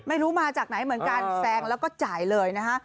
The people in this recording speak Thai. ไม่รู้มาจากไหนเหมือนกันแซงแล้วก็จ่ายเลยนะฮะ